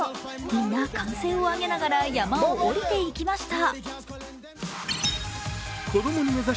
皆、歓声を上げながら山を下りていきました。